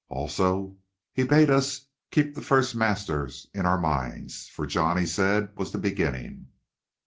"Also, he bade us keep the first master in our minds, for John, he said, was the beginning."